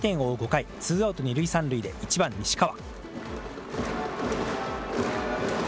５回、ツーアウト２塁３塁で１番西川。